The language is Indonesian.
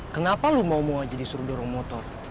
kenapa lo mau aja disuruh dorong motor